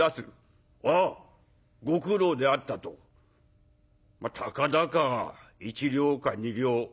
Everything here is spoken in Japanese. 『ああご苦労であった』とまあたかだか１両か２両。